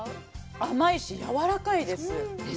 甘いし、やわらかいです。